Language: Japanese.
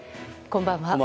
こんばんは。